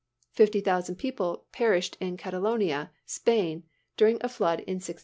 Fifty thousand people perished in Catalonia, Spain, during a flood in 1617.